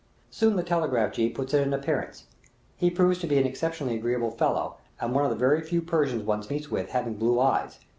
Soon the telegraph jee puts in an appearance; he proves to be an exceptionally agreeable fellow, and one of the very few Persians one meets with having blue eyes.